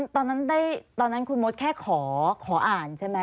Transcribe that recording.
ตอนนั้นคุณมดแค่ขออ่านใช่ไหม